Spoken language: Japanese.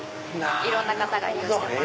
いろんな方が利用してます。